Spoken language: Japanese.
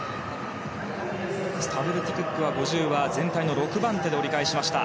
スタブルティ・クックは５０は全体の６番手で折り返しました。